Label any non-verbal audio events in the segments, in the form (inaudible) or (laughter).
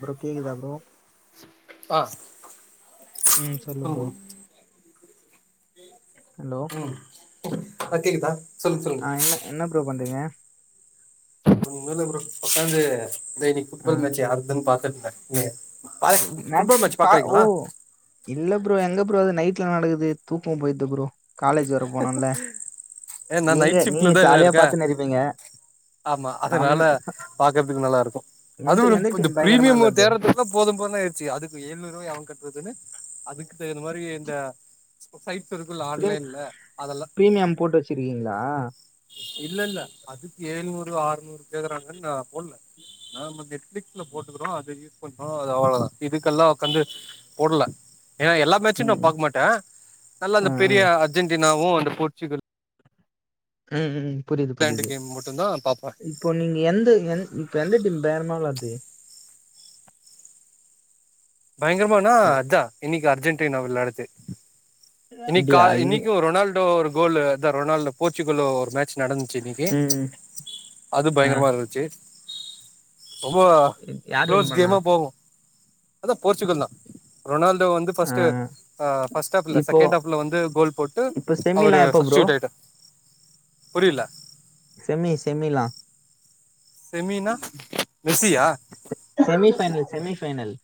Bro கேக்குதா bro ஆ சொல்லுங்க ம் சொல்லு ப்ரோ ஹலோ ஆ கேக்குதா சொல்லுங்க சொல்லுங்க ஆ என்ன என்ன ப்ரோ பண்றீங்க ஒண்ணு இல்ல ப்ரோ ஒக்காந்து இந்த இன்னக்கி ஃபுட் ஆ பால் மேட்ச் யாருதுன்னு பாத்துட்டுருந்தே பாக் ஃபுட் பால் மேட்ச் பா ஓ பாக்குறீங்களா இல்ல ப்ரோ எங்க ப்ரோ அது நைட்ல நடக்குது தூக்கோ போயிர்து ப்ரோ காலேஜ் வேற போனும்ல ஏ நா நீங்க நைட் நீங்க ஷிப்ட்லதான ஜாலியா இருக்கே பாத்துன்னு இருப்பீங்க ஆமா அதனால செம்ம பாக்குறதுக்கு நல்லா இருக்கு எந்த அதுவு எந்த இந்த டீம் பயங்கரமா பிரீமியம விளாடுது தேட்றதுக் ல்லா போது போதுன்னு ஆயருச்சி அதுக்கு எழுநூறு ரூபாய் அவே கட்டுறதுன்னு அதுக்கு தகுந்த மாரி இந்த சைட்ஸ் இருக்குல்ல பிரீம் ஆன்லைன்ல அதெல்லா பிரீமியம் போட்டு வச்சிருக்கீங்களா இல்ல இல்ல அதுக்கு ஏழுநூறு அறுநூறு கேக்குறாங்கன்னு நா போடல நாம்ம நெட்ஃப்லிக்ஸ்ல போட்டுக்கிறோ அது யூஸ் பண்றோ அது அவ்ளோதா இதுக்கெல்லா உக்காந்து போடல ஏனா எல்லாத் மேட்சு நா ம் பாக்க மாட்டே நல்லா ஆ அந்த ஆ பெரிய அர்ஜென்டினாவு அந்த போர்ச்சுகல் ம் ம் புரியுது இங்கிலாந்து புரியுது கேம் மட்டுந்தா பாப்பே ம் இப்போ நீங்க எந்த எந் இப்ப எந்த டீம் பேரமா வெளாடுது பயங்கரம்னா அஜா இன்னைக்கு அர்ஜென்டினா விளையாடுது இன்னைக்கா அப்டியா இன் இன்னிக்கு ரொனால்டோ ஒரு கோல்லு அதா ரொனால்டோ போர்ச்சுகலோ ஒரு மேட்ச் நடந்துச்சு இன்னைக்கு ம் அது ஆ பயங்கரமா இருந்துச்சு ரொம்ப யார் வின் களோஸ் பண்ணா கேமா போகும் அதா போர்ச்சுகல் தா ரொனால்டோ வந் இது ஆ ஃபர்ஸ்டு ஹ ஃபஸ்டாப்ல இப்போ செக் கேண்டாப்ல வந்து கோல் போட்டு இப்போ அவரு செமிலா எப்ப ப்ரோ சப்ஸ்டியூட் ஆயிட்ட புரியல செமி செமிலா செமீனா மெசியா செமிஃபைனல் செமிஃபைனல்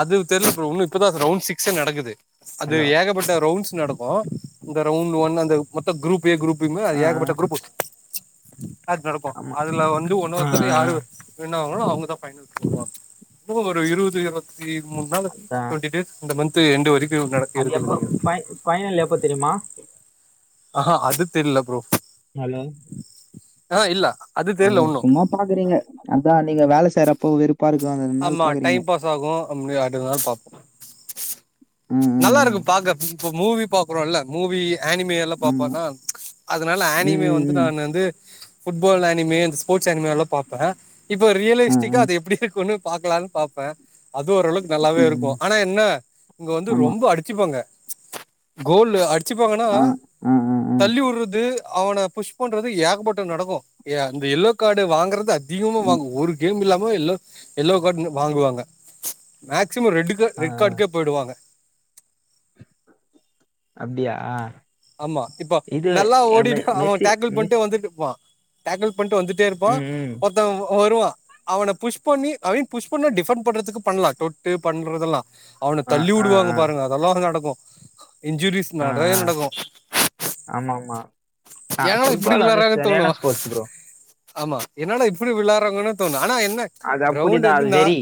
அது தெர்ல ப்ரோ உன்னு இப்பதா ரவுண்ட் சிக்ஸ்ஸே நடக்குது அது ஹலோ ஏகப்பட்ட ரவுண்ட்ஸ் நடக் கு இந்த ரவுண்ட் ஒன் அந்த மொத்த குரூப் ஏ குரூப் பீம்மு அது ஆ ஆ, ஏகப்பட்ட குரூப்பு அத் நடக்கு ஆமா அதுல வந்து ஆ ஒன்னொருத்தவங்க ஆ, யாரு வின்னாவுங்களு அவங்கதா பைனல்ஸ்க்கு வருவாங் ஒரு இருபது இருவத்தி மூணு நாளு அதான். டுவென்டி டேஸ் இந்த மந்த்து எண்டு வரைக்கு நடக்க இருக்கு (inaudible) பைனல் எப்ப தெரியுமா ஆஹா அது தெரியல ப்ரோ ஹலோ ஆ இல்ல அது தெர்ல ஆமா உன்னு சும்மா பாக்குறீங்க அதா நீங்க வேல செய்யறப்போ வெறுப் ஆமா டைம் பாஸ் ஆகு (unintelligible) பாப்போ ம் ம், நல்லாருக்கு ம். பாக்க இப்ப மூவி பாக்குறோல்ல மூவி அனிமே இல்ல ஆமா பாப்போனா ம்ச் அதனால ஆனிமே ம் வந்து ம், ம். நான் வந்து புட்பால் ஆனிமேந்ஸ் போர்ட்ஸ் அனிமியால்லா பாபே இப்ப ஆ, ரியலிஸ்டிக்கா ஆ. அது எப்படி இருக்கும்ன்னு பாக்கலான்னு பாப்பே அது ஓரளவுக்கு நல்லாவே ம், இருக்கு ம். ஆனா என்ன இங்க வந்து ஆமா ரொம்ப அடிச்சுப்பாங்க கோல்லு அடிச் ச்சுப்பங்கன்னா ஆ ஆ ஆ ஆ ஆ. தள்ளி உற்றது அவன புஷ் பண்றது ஏகப்பட்டது நடக்கு ஏ அந்த எல்லோ கார்டு வாங்குறது அதிகமா வாங்குவோ ஒரு கேம் இல்லாம எல்லோ எல்லோ கார்டு (unintelligible) வாங்குவாங்க ம்ச் மேக்சிமோ ரெட்டுக ஆ ஆ, ரெட் கார்டுக்கே போயிடுவாங்க அப்டியா ஆமா இப்ப நல்லா ஓடிட்டு அவன் மெஸ்ஸி டேக்கிள் மெஸ் பண்ட்டு வந்துட்ருப்பா டேக்கிள் பண்ட்டு வந்துட் டே இருப்பா ம் ம். ஒருத்தவ வருவா அவன புஷ் பண்ணி அவனையு புஷ் பண்ண டிஃபண்ட் பண்றதுக்கு பண்ணலா தொட்டு பண்றதுல்லா அவனை ஆ தள்ளி ஆ உடுவாங்க ஆ பாருங்க அதெல்லா நடக்கும் இன்ஜுரிஸ் ஆ நெறைய ஆ. நடக்கும் ஆமா ஆமா ஆ ஏன்டா இப்டி புட்பால் வந்து விளாட்றாங்கன்னு சரியான தோணு ஸ்போர்ட்ஸ்ஸு ப்ரோ ஆமா என்னாடா இப்படி வெளாடுறாங்கன்னு தோணு ஆனா என்ன அது அப்படிதா கிரௌண்ட்டு வந்து அது நா வெறி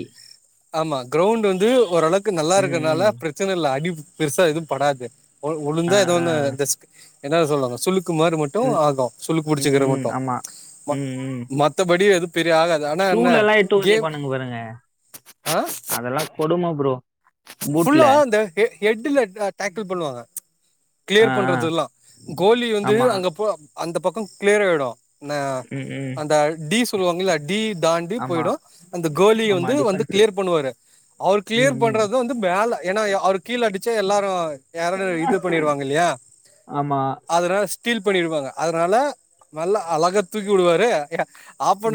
ஆமா கிரௌண்ட் வந்து ஓரளவுக்கு நல்லா ம் ம் இருக்கிறதுனால பிரச்சன இல்ல அடி பெருசா எதுவும் படாது ஒழ் ஆ ஒழுங்கா எதோ ஆ ஒன்னு இந்தஸ்க் என்னா சொல்லுவாங்க சுளுக்கு மாரி மட் ம் ஆகு சுளுக்கு ம் புடிச்சக்கிற ம் மட்டு ஆமா ம் ம் மத்தபடி எது பெரிய ஆகா ஸ்டூல் எல்லா எட்டி ஒதைப்பாணூங்க பாருங்க ஆ அதெல்லா கொடும ப்ரோ பூட்ல ஃபுல்லா அந்த ஹெ ஹேட்டுல டேக்கிள் பண்ணுவாங்க ஆ கிளியர் ஆ பண்றதெல்லா கோலி வந்து ஆமா அங்க போ அந்த பக்கோ கிளியர் ஆயிடு அ ம் ம் அந்த டி சொல்லுவாங்கல்ல டி தாண்டி ஆமா போயிடு அந்த கோலி ஆமா வந்து வந்து டிஃபென்ஸ் கிளியர் பண்ணுவாரு அவர் ம் கிளியர் ம் பண்றது வந்து மேல ஏன்னா அவர் கீழ அடிச்சா எல்லாரு யாரோனு இது பண்ணிருவாங்க இல்லியா ஆமா அதல ஸ்டீல் பண்ணிடுவாங்க அதனால நல்லா அழகா தூக்கி விடுவாரு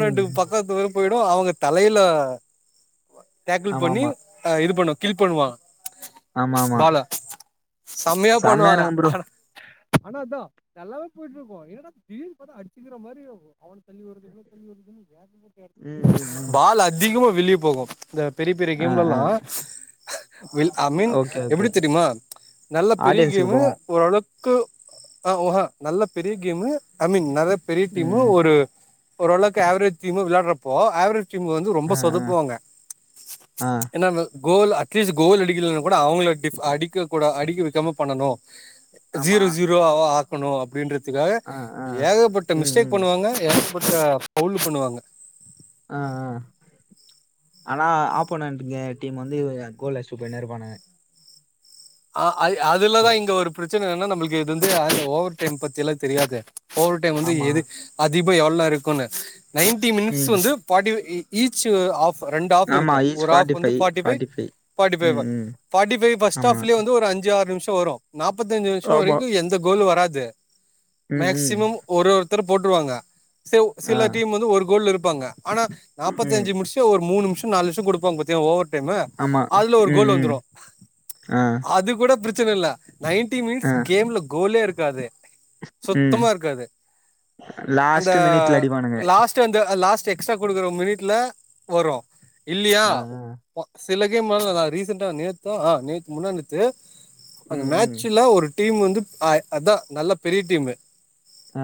ம் பக்கத்துல போயிடு அவங்க தலையில டேக்கிள் ஆமா பண்ணி ஆமா ஆ இது பண்ணு கில் பண்ணுவா ஆமா ஆமா பால செம்மையா பண்ணுவாங்க இருக்கும் ப்ரோ ஆனா ஆனா அதா நல்லாதா போயிட்டு இருக்கு ஏன்னடா திடீர்னு பாத்தா அடிக்கிற மாரி ம் ம் ம் பாலு அதிகமா வெளிய போகு இந்த பெரிய பெரிய ஆ ஆ கேம்லல்லா well I mean okay okay எப்டி தெரியுமா நல்ல பெரிய ஆடியன்ஸுக்கு கேமு போவோம் ஓரளவுக்கு ஆ ஓஹா நல்ல பெரிய கேம் ஐ மீன் நெறைய பெரிய ம் டீமு ம் ஒரு ஓரளவுக்கு ஆவரேஜ் டீமு வெளாட்றப்ப ஆவரேஜ் டீம் வந்து ஆ ரொம்ப ஆ சொதப்புவாங்க ஆ ஏன்னா கோல் அட்லீஸ்ட் கோல் அடிக்கலன்னா கூட அவங்கள டிஃப் அடிக்க கூட அடிக்க வைக்காம பண்ணனு ஆமா சீரோ சீரோவா ஆக்கணு அப்டின்றதுக்காக ஆ ஆ ஏகபட்ட ம் மிஸ்டேக் ம் பண்ணுவாங்க ஏகப்பட்ட ஃபவுல் பண்ணுவாங்க ஆ ஆ ஆனா ஆப்போனண்ட் டீம் வந்து கோல் அஷ்டு போயினே இருப்பானங்க ஆ அ அதுலதா இங்க ஒரு பிரச்சன என்னன்னா நம்மளுக்கு இது வந்து ஓவர் டைம் பத்தில்லா தெரியாது ஓவர் டைம் வந்து ஆமா எது அதிமா எவ்ளோ நேரோ இருக்குன்னு நைன்டி மினிட்ஸ் ம் வந்து ஃபாட்டி ஈச் ஆஃப் ரெண்டு ஆஃப் ஆமா இருக்கு ஈச் ஒரு ஆஃப் ஃபார்ட்டி வந்து five forty five forty five forty five ம் ம் பார்டி ஃபை ஃபஸ்ட் ஆமா ஒரு அஞ்சு ஆறு நிமிஷோ வரு நாற்பத்தஞ்சு நிமிஷோ ஆமா வரைக்கு எந்த கோலு வராது ம் ம் மேக்சிமம் ஒரு ஒருத்தர் போட்டுருவாங்க ஆ சில டீம் வந்து ஒரு கோல்ல இருப்பாங்க ஆனா ம் நாற்பத்தஞ்சு முடிச்சு ஒரு மூணு நிமிஷோ நாலு நிமிஷோ குடுப்பாங்க பாத்தியா ஓவர் டைமு ஆமா அதுல ஒரு ம் கோலு ம் வந்துரு ஆ அது கூட பிரச்சன இல்ல நைன்டி மினிட்ஸ் ஆ கேம்ல கோலே இருக்காது ம் சுத்தமா இருக்காது அந்த லாஸ்ட் மினிட்ல அடிப்பானுங்க லாஸ்ட் (unintelligible) அந்த லாஸ்ட் எக்ஸ்ட்ரா குடுக்கற மினிட்ல வரு இல்லியா ஆ ஆ சில கேம்ல ரீசெண்டா நேத்தோ ஆ நேத் முன்னா நேத்து அந்த ம் ம் மேட்சல ஒரு டீம் வந்து ஆ அதா நல்ல பெரிய டீமு ஆ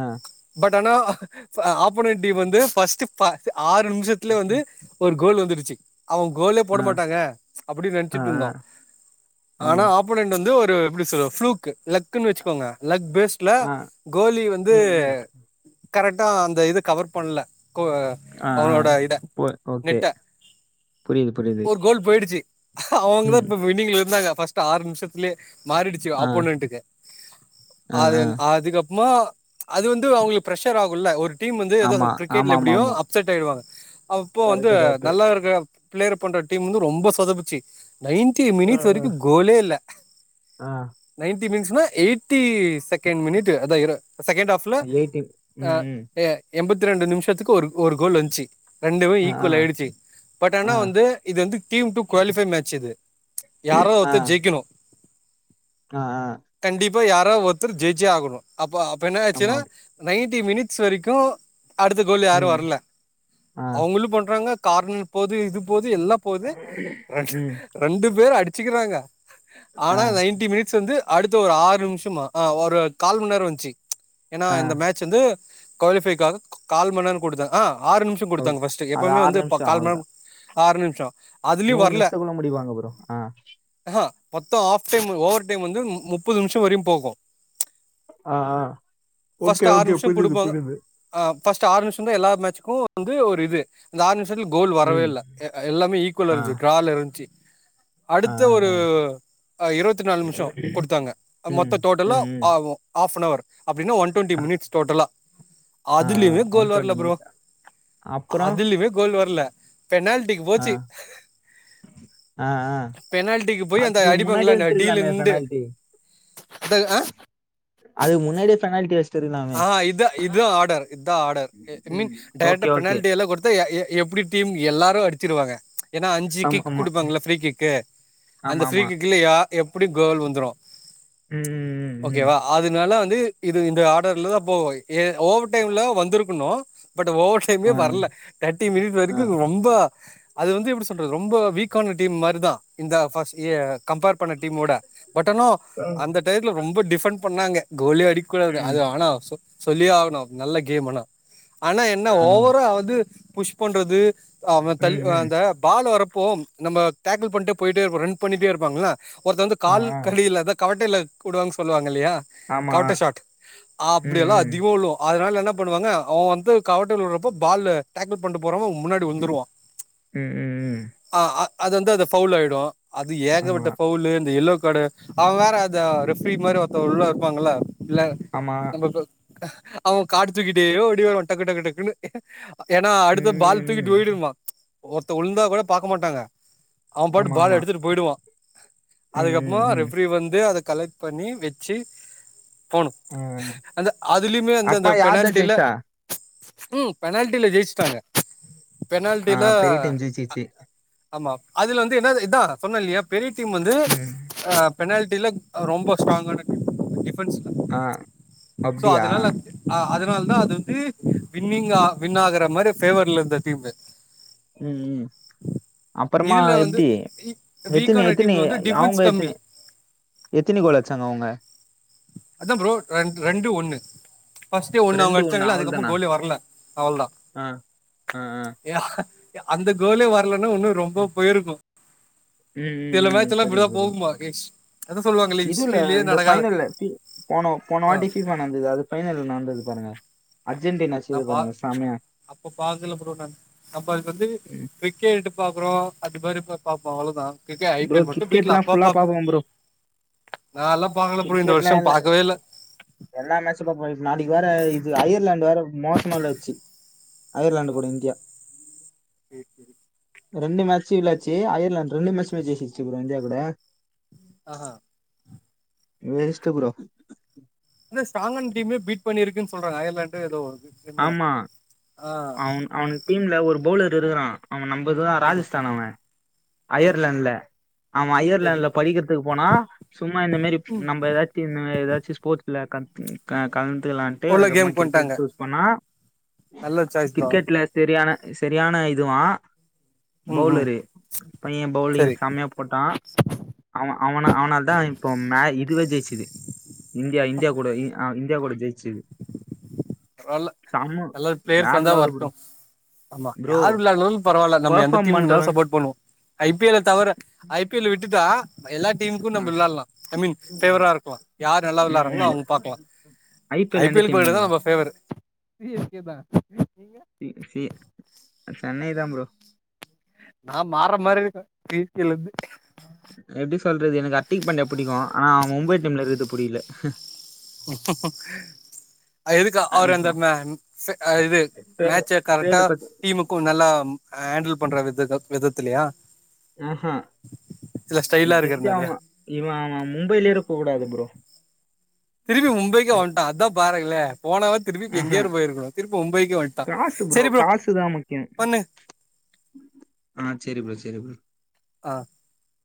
பட் ஆனா ஆப்போனன்ட் டீம் வந்து ஃபஸ்ட் ப ஆறு நிமுஷத்துலே வந்து ஒரு கோல் வந்துடுச்சு அவங்க கோலே போட ஆ மாட்டாங்க அப்டின்னு ஆ நெனச்சிட்டு ஆ இருந்தோ ஆனா ம் ஆப்போனட் வந்து ஒரு எப்டி சொல்ல புளூக் லக்னு வெச்சுக்கோங்க லக் பேஸ் ல ஆ கோலி வந்து ம் ம் கரெக்டா அந்த இது கவர் பண்ல கோ ஆ ஆ அவனோட இத போ ஓகே நெட்ட புரியுது புரியுது ஒரு கோல் போயிடுச்சு அவங்க தா ம் இப்ப வினிங்ல இருந்தாங்க ஃபஸ்ட் ஆறு நிமுஷத்துலே மாறிடு ச்சு ஆ ஆப்போனன்ட்க்கு ஆ அது ஆ அதுக்கப்மா அது வந்து அவுங்ளுக்கு பிரஷர் ஆகுல்ல ஒரு டீம் வந்து எதோ ஆமா ஆமா கிரிக்கெட்ல ஆமா எப்டியோ ஆமா அப்சட் ஆயிடுவாங்க அப்போ வந்து கரெக்ட்டு கரெக்ட்டு நல்லா இருக்க பிளேயர் பண்ற டீம் வந்து ரொம்ப சொதப்புச்சு நைன்ட்டீன் ஆ மினிட்ஸ் ஆ வரைக்கு கோலே இல்ல ஆ நைன்ட்டி மினிட்ஸ்னா எயிட்டி செகண்ட் மினிட் அத இரா செகண்ட்டு ஆஃப் இல்ல எயிட்டி அ ம் ம் ஏ எண்பத்தி ரெண்டு நிமிஷத்துக்கு ஒரு ஒரு கோல் வந்ச்சு ரெண்டுமே ஆ ஈக்வல் ஆயிடுச்சு பட் ஆ ஆனா ஆ வந்து இது வந்து டீம் டூ குவாலிஃபை மேட்ச் இது யார ஆ ஒருத்தர் ஜெய்க்கனு ஆ ஆ கண்டிப்பா யாரோ ஒருத்தர் ஜெயிச்சே ஆகணு அப்ப அப்ப என்னாச்சுனா ஆமாம் நைன்டி மினிட்ஸ் வரைக்கு அடுத்த கோல் யாரு ம் வர்ல ஆ அவங்களு பண்றாங்க கார்னர் போது இது போது எல்லா போது ம் ரெண்டு பேர் அடிச்சுக்கிறாங்க ஆ ஆனா நைன்ட்டி மினிட்ஸ் வந்து அடுத்த ஒரு ஆறு நிமிஷமா ஆ ஒரு கால் மந்நேரம் வந்ச்சு ஏனா ஆ இந்த மேட்ச் ச்சந்து குவலிபைக்காக கால் மண்நேரோ குடுத்த ஆ ஆறு நிம்ஷோ ஓ குடுத்தாங்க ஃபர்ஸ்ட் அது எப்பமே ஆறு வந்து நிமிஷோ கால் அவ்ளோதா மண் ஆறு நிம்ஷோ நூறு நிமிஸ்த்துக்குள்ள முடிபாங்க ப்ரோ ஆ ஆஹா மொத்தோ ஆஃப் டைம் ஓவர் டைம் வந்து முப்பது நிம்ஷோ வரையு போகு ஆ ஆ ஓகே ஓகே புரிது புரிது ஆ ஃபர்ஸ்ட் ஆறு நிம்ஷ்ந்தா எல்லா மேச்சுக்கு வந்து ஒரு இது இந்த ஆறு நிமிஷத்ல கோல் வரவே ம் இல்ல எல்லாமே ஈக்வல் ஆ இருந்ச்சு டிரால இருந்ச்சு ஆ அடுத்த ஆ ஒரு ஆ. இருவத் நாலு நிம்ஷோ குடுத்தாங்க ம் மொத்தோ டோட்டலா ம் ம் ஆகு ஆஃப்னவர் அப்டினா ஒன் டுவெண்டி ஆ மினிட்ஸ் டோட்டலா ஆ அதுலிமே ஒன் கோல் வர்ல டுவெண்ட்டி ப்ரோ மினிட்ஸ் அப்புறோ அதுலியுமே கோல் வர்ல பெனால்டிக்கு போச்சு அ அ பெனால்ட்டிக்கு போய் அந்த அதுக்கு முன்னாடி அடிப்பாங்களா அந்த டீல் வெச்சிருக்லாமே நின்று பெனால்டி அதுக்கு முன்னாடியே பெனால்டி வெச் ஆ இதா இதா ஆர்டர் இதா ஆர்டர் ஐ மீன் ம் ஓகே டைரக்டா ஓகே பெனால்ட்டி எல்லா குடு தா எ எப்டி டீம் எல்லாரு அடிச்சிருவாங்க ஏனா அஞ்சு ஆமா கிக் ஆமா குடுப்பாங்ளா ஃப்ரீ கிக்கு அந்த ஆமா ஃப்ரீ ஆமா கிக்ல யா எப்டி கோல் வந்துரு ம் ம் ஓகேவா அதனால வந்து இது இந்த ஆ ன்டர்லதா போ ஏ ஓவர் டைம்ல வந்திருக்கணு பட் ஓவர் டைமே ஆ வர்ல தேர்ட்டி மினிட் ஆ வரைக்கு ரொம்ப அது வந்து எப்டி சொல்றது ரொம்ப வீக்கான டீம் மாரிதா இந்த ஃபர்ஸ் எ கம்பேர் பண்ண டீமோட பட் ஆனா ம். அந்த டைத்துல ரொம்ப டிஃபண்ட் பண்ணாங்க கோலே அடிக்கூடாது ம், அது ஆனா சொ சொல்லியே ஆகணு நல்ல கேம் ஆனா ஆனா என்ன ஆ ஓவரா அது புஷ் பண்றது அவன் தள்ளி ம், ம். அந்த பால் வரப்போ நம்ம டேக்கள் பண்ட்டு போயிட்டே இருப்போ ரன் பண்ட்டே இருப்பாங்கல்ல ஒருத்தன் வந்து ஆ, கால் ஆ. கடியில அதா கவட்டையில கூடுவாங்கனு சொல்லுவாங்கில்லையா ஆமா ம், அப்டியெல்லா ம். அதிகோ அதனால என்ன பண்ணுவாங்க அவன் வந்து கவட்டைல விடறப்போ பாலு டேக்கள் பண்ட்டு போறவன் முன்னாடி விழ்ந்துருவான் ம் ம் ம். ஆ அது வந்து அது ஃபவுல் ஆயிடு அது ஆமா. ஏகப்பட்ட ஃபவுலு இந்த எல்லோ காடு அவ வேற அத ரெஃப்ரி மாரி ஒருத்த உள்ள இருப்பாங்கள உள்ள ஆமா அவ கார்டு தூக்கிட்டே ஓடி வருவா டக்கு டக்கு டக்குன்னு ஏன்னா ம், அடுத்து பால் தூக்கிட்டு ம். ஓயிடுமா ஒருத்த உழுந்தா கூட பாக்க மாட்டாங்க அவ ஆமா, பாட்டுக்கு பால் ஆமா. எடுத்துட்டு போயிடுவா ம், அதுக்கப்புறமா ம், ம். ரெஃப்ரி வந் து அத கலெக்ட் பண்ணி வெச்சி போனு ம் அந்த அதுலயுமே வந்து அந்த பெனால்ட்டில ம் பெனால்ட்டில ஜெயிச்சுட்டாங்க ஆ பெனால்டில பெரிய டீம் ஜெயிச்சிச்சு. ஆமா அதுல வந்து என்ன இதா சொன்னேல்லையா பெரிய டீம் வந்து ம். ஆ பெனால்டில ரொம்ப ஸ்ட்ராங்கான டீம் டிஃபன்ஸ்ல ஆ சோ அப்டியா? அதுனால வந்து ஆ அதனால தா அது வந்து வின்னிங்கா வின் ஆகுற மாரி ஃபேவர்ல இருந்த டீம் ம் ம் அப்பறமா இதுல வந்து எப்டி எத்தினி வீக்கான எத்தினி டீம்ல வந்து டிஃபென்ஸ் அவுங்க கம்மி எத்தினி எத்தினி கோல் அச்சாங்க அவங்க அதா ப்ரோ ரெண் ரெண்டு ஒண்ணு ஃபர்ஸ்டே ஒண்ணு அவங்க அடிச்சாங்கள அதுக்கப்புறம அவள்தானா? கோலே வர்ல அவள்தா ஆ, ஆ, ஆ. அந்த கோலே வர்லன்னா இன்னு ரொம்ப போயிருக்கு ம், ம், சில ம். மேச்சல்லா புரியுது, இப்டிதா புரியுது. போகும்மா இஷ் அதா சொல்லுவாங்கல்ல ஹிஸ்ட்ரிலேயே நடக்காத த டி போன போன வாட்டி ஃபீஃபா நடந்தது அது ஃபைனல்ல நடந்தது பாருங்க அர்ஜென்டினா இன்னா செய்து பா பாருங்க செமையா அப்ப பாக்கல ப்ரோ நானு அப்ப அதுக்கு வந்து கிரிக்கெட்டு பாக்குறோ அது மாரி இருந்தா பாப்போ அவ்ளோதா க்ரிக்யா ஐ பி ப்ரோ எல் போட்டு வீட்ல கிரிக்கெட்லாம் அப்பா ஃபுல்லா பாப்போ பார்ப்போம் ப்ரோ நாலா பாக்கல ப்ரோ இந்த வருஷோ பாக்கவே இல்ல எல்லா மேச்சு பாப்போ இன்சு நாளைக்கு வேற இது அயர்லாந்து வேற மோசமா வெளான்ச்சு அயர்லாண்டு ஆ கூட இந்தியா சேரி சேரி ரெண்டு மேச்சி விளையாச்சி அயர்லாண்டு ரெண்டு மேச்சுமை ஜெயிச்சிச்சி ப்ரோ இந்தியா கூட ஆஹா இ மினிஸ்ட கூட இந்த ஸ்ட்ராங்கான டீமே பீட் பண்ணிருக்குன் சொல்றாங்க அயர்லாண்டு ஏதோ ஒரு இது ஆமா அவன் அவனு டீம்ல ஒரு பவுலர் இருக்குறா அவ நம்ப இதுதா ஆமா ராஜஸ்தான் அவ ஆமா அயர்லாண்ட்ல அவ சேரி அயர்லாண்ட்ல படிக்கிறதுக்கு போனா சும்மா இந்த மாரி ம் நம்ப ஏதாச்சு இந்த மாரி ஏதாச்சு ஸ்போர்ட்ஸ்ல கந் க கலந்துக்கலா ன்ட்டு உள்ள அதுக்கப்பமா கேம்க்கு வந்ட்டாங்க கிரிக்கெட்டு அப்பனா நல்ல சாய்ஸ் தா கிரிக்கெட்ல செரியான செரியான இதுவா ம் ம் பவுலரு பைய பவுலிங் சேரி செம்மயா போட்டா அவ அவன அவனால தா இப்போ மே இதுவே ஜெயிச்சுது இந்தியா இந்தியா கூட இ இ இந்தியா கூட ஜெயிச்சுது பராவால்ல செம நல்லா பிளேயர்ஸ் வேற வந்தா லெவலு வரட்டு ப்ரோ ஆமா ப்ரோ யாரு வெளாட்னாலு பரவால்ல நம்ம எந்த பெர்ஃபார்ம் டீம்க்குனாலு பண்றவன் சப்போர்ட் பண்ணுவோ ஐ பி எல் ல தவற ஐ பி எல்ல விட்டுட்டா எல்லா டீமுக்கு ஆ நம்ம விளையாலா ஐ மீன் ம் ஃபேவரா இருக்களா யார் நல்லா விளையாடுறங்களோ ம் அவுங்க பாக்கலா ஐ பி எல் எந்த டீம் நீங்க ஃபேவரு சி எஸ் கே தான் ம் ம் சென்னை தான் ப்ரோ நா மாற மாறி இருக்கே டீம் கீழ இருந்து எப்டி சொல்றது எனக்கு அட்டிங் பண்ண புடிக்கோ ஆனா மும்பை டீம்ல இருக்குறது புடிக்கல உப் (inaudible) அது எதுக்கு ஆ அவரு இப்போ அந்த ம செ ஆ இது ட்ரேடு மேட்ச கரெக்டா ட்ரேடு பத்தி டீமுக் கு நல்லா ஹேண்டில் பண்ற விதத்த விதத்திலையா ஆ ஆ ஸ்டைலா எனக்கு தெரிஞ்சே இருக்கறனாலயா அவ இவ மும்பையில இருக்க கூடாது ப்ரோ திருப்பி மும்பைக்கு வண்ட அத பாருங்கலே போனவ திருப்பி இப்ப ஆஹா எங்கேயே போயிருக்கணோ திருப்பி மும்பைக்கு வண்டா காசு ப்ரோ காசுத முக்கியோ ஆ செரி ப்ரோ செரி ப்ரோ ஆ